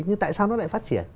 nhưng tại sao nó lại phát triển